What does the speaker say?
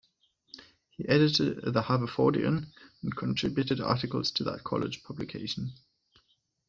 He edited "The Haverfordian" and contributed articles to that college publication.